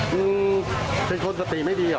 เดือดร้อนหมดเดินถือมีดบ้าง